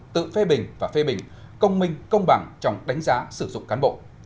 tự phê bình và phê bình công minh công bằng trong đánh giá sử dụng cán bộ